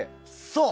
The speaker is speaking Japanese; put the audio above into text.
そう。